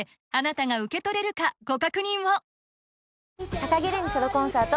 高城れにソロコンサート